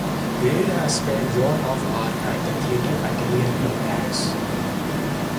Greer has played Joan of Arc at the Theatre Atelier in Paris.